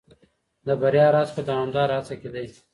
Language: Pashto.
د بریا راز په دوامداره هڅه کي دی.